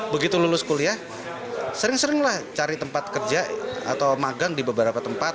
begitu lulus kuliah sering seringlah cari tempat kerja atau magang di beberapa tempat